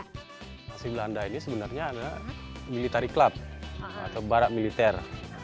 nasi belanda ini sebenarnya adalah military club atau barak militer